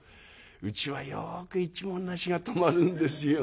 うちはよく一文無しが泊まるんですよ。